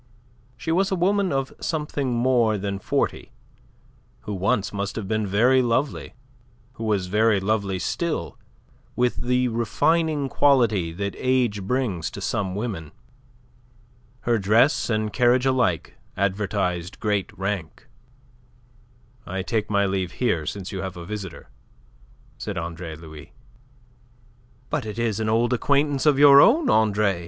She was a woman of something more than forty, who once must have been very lovely, who was very lovely still with the refining quality that age brings to some women. Her dress and carriage alike advertised great rank. "I take my leave here, since you have a visitor," said Andre Louis. "But it is an old acquaintance of your own, Andre.